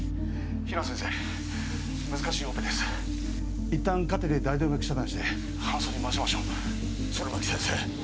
難しいオペです一旦カテで大動脈遮断して搬送に回しましょう弦巻先生